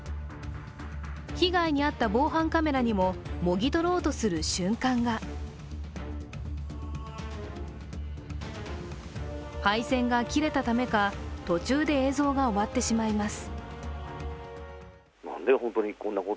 被害に遭った防犯カメラにももぎ取ろうとする瞬間が配線が切れたためか、途中で映像が終わってしまいます。